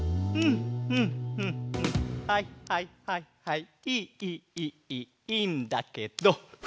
いいいいいいいいいいんだけど。